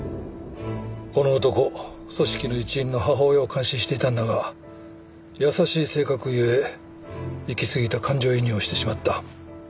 この男組織の一員の母親を監視していたんだが優しい性格ゆえいきすぎた感情移入をしてしまった。